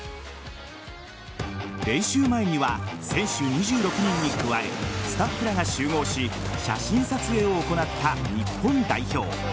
練習前には選手２６人に加えスタッフらが集合し写真撮影を行った日本代表。